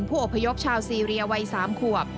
ผู้อพยพชาวซีเรียวัย๓ขวบ